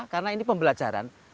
karena ini pembelajaran